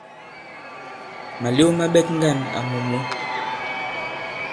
Màlew ma ɓɛt ŋgân àmù mǔ.